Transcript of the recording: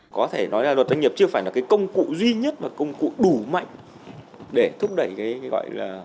có thể nói là luật doanh nghiệp chưa phải là cái công cụ duy nhất và công cụ đủ mạnh để thúc đẩy cái gọi là